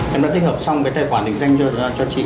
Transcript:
em đã tích hợp xong với tài khoản định danh cho chị